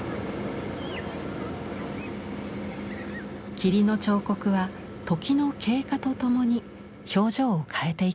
「霧の彫刻」は時の経過とともに表情を変えていきます。